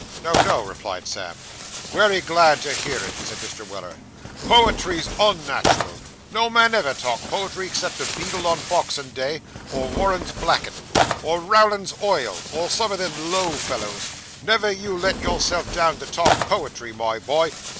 'No, no,' replied Sam. 'Wery glad to hear it,' said Mr. Weller. 'Poetry's unnat'ral; no man ever talked poetry 'cept a beadle on boxin' day, or Warren's blackin', or Rowland's oil, or some of them low fellows; never you let yourself down to talk poetry, my boy.